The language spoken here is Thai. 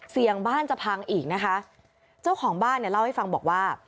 เสียงบ้านจะพังอีกนะคะเจ้าของบ้านเนี่ยเล่าให้ฟังบอกว่า